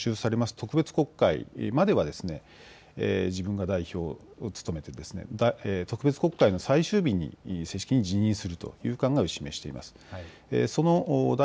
特別国会までは自分が代表を務めて特別国会の最終日に正式に辞任するという考えを示しています。